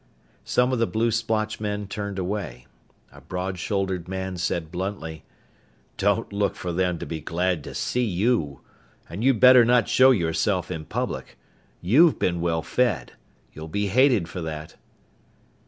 Some of the blue splotched men turned away. A broad shouldered man said bluntly, "Don't look for them to be glad to see you. And you'd better not show yourself in public. You've been well fed. You'll be hated for that."